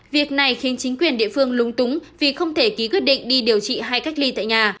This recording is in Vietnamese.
việc này khiến chính quyền địa phương lúng túng vì không thể ký quyết định đi điều trị hay cách ly tại nhà